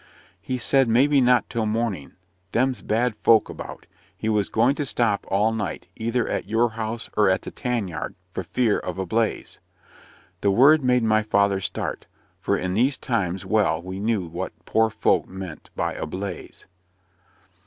"He said, maybe not till morning. Them's bad folk about. He was going to stop all night, either at your house or at the tan yard, for fear of a BLAZE." The word made my father start; for in these times well we knew what poor folk meant by "a blaze."